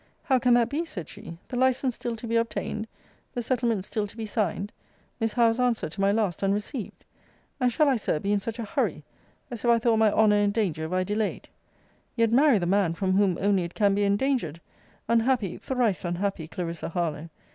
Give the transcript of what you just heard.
How can that be? said she: the license still to be obtained? The settlements still to be signed? Miss Howe's answer to my last unreceived? And shall I, Sir, be in such a HURRY, as if I thought my honour in danger if I delayed? Yet marry the man from whom only it can be endangered! Unhappy, thrice unhappy Clarissa Harlowe!